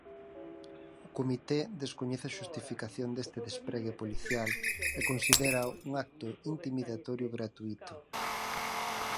O Comité descoñece a xustificación deste despregue policial e considérao un acto intimidatorio gratuíto.